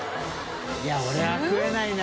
い俺は食えないな。